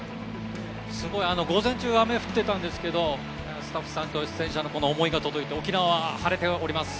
すごい午前中は雨降ってたんですけれども、スタッフさんと出演者のこの思いが届いて、沖縄は晴れております。